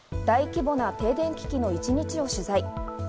大規模な停電危機の一日を取材。